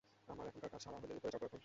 আমার এখানকার কাজ সারা হলেই উপরে যাব এখন।